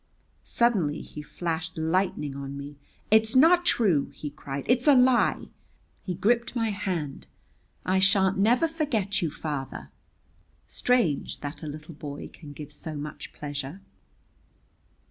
Suddenly he flashed lightning on me. "It's not true," he cried, "it's a lie!" He gripped my hand. "I sha'n't never forget you, father." Strange that a little boy can give so much pleasure.